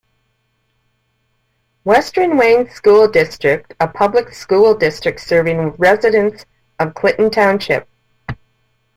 Western Wayne School District a public school district serving residents of Clinton Township.